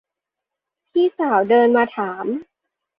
พี่สาวเดินมาถาม